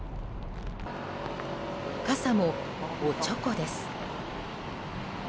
傘も、おちょこです。